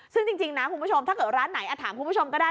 ซึ่งจริงนะคุณผู้ชมถ้าเกิดร้านไหนถามคุณผู้ชมก็ได้